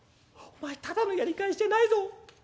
お前ただのやり返しじゃないぞ。